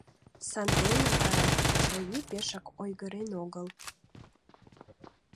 Сандене вараже Чачавий пешак ойгырен огыл.